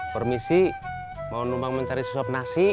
permisi mau numbang mencari susup nasi